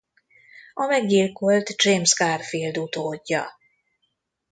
A meggyilkolt James Garfield utódja.